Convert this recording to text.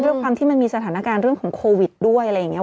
ความที่มันมีสถานการณ์เรื่องของโควิดด้วยอะไรอย่างนี้